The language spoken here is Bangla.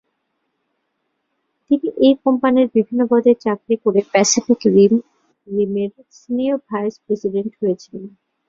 তিনি এই কোম্পানির বিভিন্ন পদে চাকরি করে প্যাসিফিক রিম এর সিনিয়র ভাইস প্রেসিডেন্ট হয়েছিলেন।